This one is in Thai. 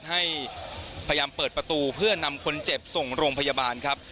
ให้พยายามเปิดประตูเพื่อนำคนเจ็บส่งโรงพยาบาลครับ